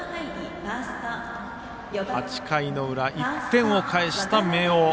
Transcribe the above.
８回の裏１点を返した明桜。